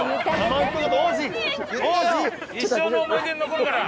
一生の思い出に残るから。